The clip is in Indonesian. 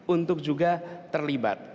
untuk juga terlibat